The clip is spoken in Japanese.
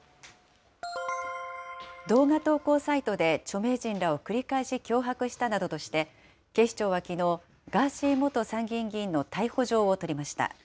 動画投稿サイトで著名人らを繰り返し脅迫したなどとして、警視庁はきのう、ガーシー元参議院議員の逮捕状を取りました。